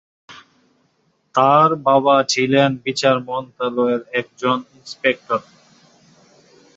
তার বাবা ছিলেন বিচার মন্ত্রণালয়ের একজন ইন্সপেক্টর।